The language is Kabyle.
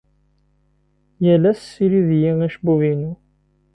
Yal ass tessirid-iyi acebbub-inu.